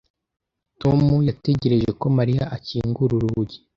Tom yategereje ko Mariya akingura urugi